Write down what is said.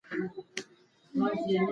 تاسو باید په لیکلو کي دقت ولرئ.